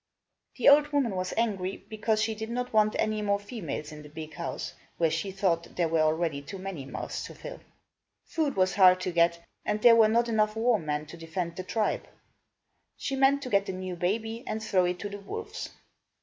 The old woman was angry, because she did not want any more females in the big house, where she thought there were already too many mouths to fill. Food was hard to get, and there were not enough war men to defend the tribe. She meant to get the new baby and throw it to the wolves.